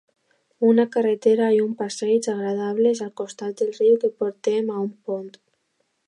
Una carretera y un passeig agradables al costat del riu que porten a un pont.